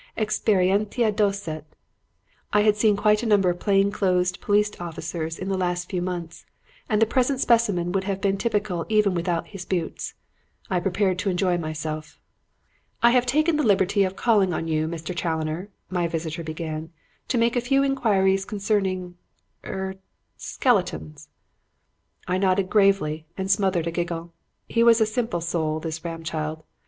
'Experientia docet!' I had seen quite a number of plain clothes police officers in the last few months and the present specimen would have been typical even without his boots. I prepared to enjoy myself. "'I have taken the liberty of calling on you, Mr. Challoner,' my visitor began, 'to make a few enquiries concerning er skeletons.' "'I nodded gravely and smothered a giggle. He was a simple soul, this Ramchild.